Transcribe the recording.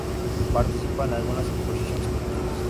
Participa en algunas exposiciones colectivas.